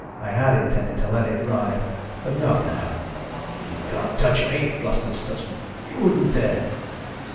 "I had intended to let it ride, but not now." "You can't touch me," blustered Stutsman. "You wouldn't dare."